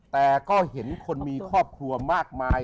แต่ก็เห็นคนมีครอบครัวมากมาย